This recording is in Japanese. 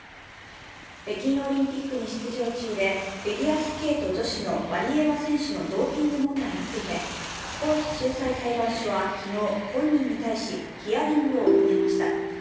北京オリンピックに出場中でフィギュアスケート女子のワリエワ選手のドーピング問題についてスポーツ仲裁裁判所は昨日、本人に対し、ヒアリングを行いました。